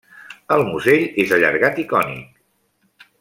El musell és allargat i cònic.